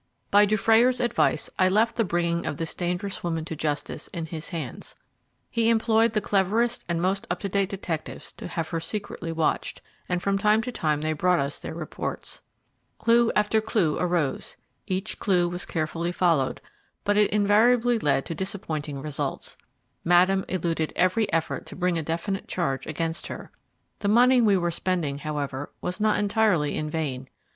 By Dufrayer's advice, I left the bringing of this dangerous woman to justice in his hands. He employed the cleverest and most up to date detectives to have her secretly watched, and from time to time they brought us their reports. Clue after clue arose: each clue was carefully followed, but it invariably led to disappointing results. Madame eluded every effort to bring a definite charge against her. The money we were spending, however, was not entirely in vain.